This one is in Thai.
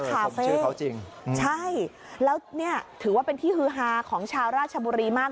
ชื่อเขาจริงใช่แล้วเนี่ยถือว่าเป็นที่ฮือฮาของชาวราชบุรีมาก